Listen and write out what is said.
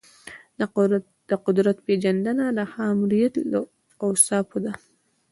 د قدرت پیژندنه د ښه آمریت له اوصافو ده.